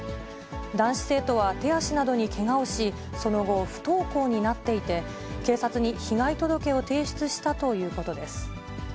男子生徒は手足などにけがをし、その後、不登校になっていて、警察に被害届を提出したということです。